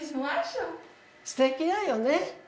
すてきだよね。